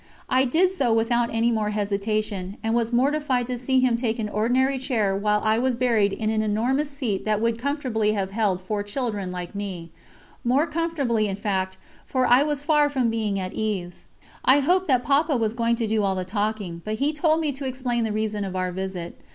I did so without any more hesitation, and was mortified to see him take an ordinary chair while I was buried in an enormous seat that would comfortably have held four children like me more comfortably in fact, for I was far from being at ease. I hoped that Papa was going to do all the talking, but he told me to explain the reason of our visit.